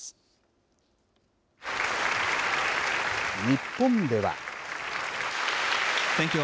日本では。